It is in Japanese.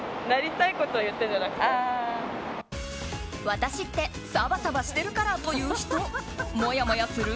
私ってサバサバしてるからと言う人、もやもやする？